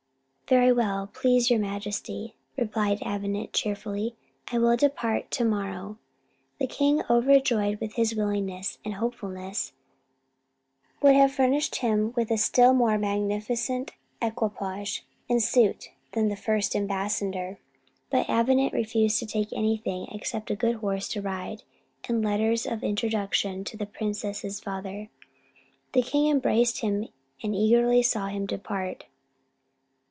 "Very well, please your majesty," replied Avenant cheerfully; "I will depart to morrow." The king, overjoyed with his willingness and hopefulness, would have furnished him with a still more magnificent equipage and suite than the first ambassador; but Avenant refused to take anything except a good horse to ride, and letters of introduction to the princess's father. The king embraced him and eagerly saw him depart.